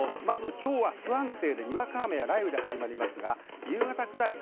今日は不安定で、にわか雨や雷雨で始まります。